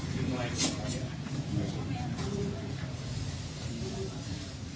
กล้องไม่ได้ครับ